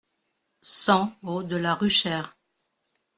cent route de la Ruchère